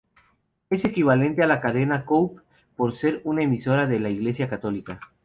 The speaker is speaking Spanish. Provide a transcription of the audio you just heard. Es equivalente a la Cadena Cope por ser una emisora de la Iglesia católica.